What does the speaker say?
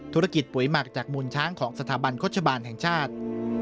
ธุรกิจปุ๋ยหมักจากมูลช้างของสถาบันโฆษบาลแห่งชาติ